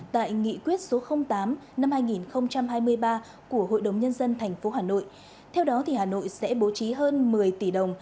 tại nghị quyết số tám năm hai nghìn hai mươi ba của hội đồng nhân dân tp hà nội theo đó hà nội sẽ bố trí hơn một mươi tỷ đồng